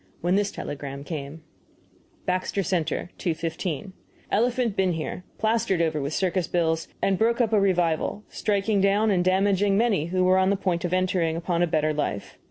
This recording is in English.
when this telegram came: BAXTER CENTER, 2.15. Elephant been here, plastered over with circus bills, and he broke up a revival, striking down and damaging many who were on the point of entering upon a better life.